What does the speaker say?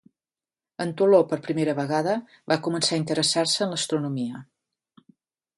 En Toló, per primera vegada, va començar a interessar-se en l'astronomia.